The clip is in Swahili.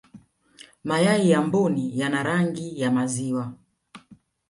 mayai ya mbuni yana rangi ya maziwa